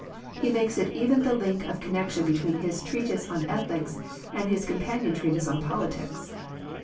He makes it even the link of connection between his treatise on Ethics and his companion treatise on Politics.